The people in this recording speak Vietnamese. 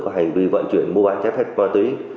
có hành vi vận chuyển mua bán trái phép ma túy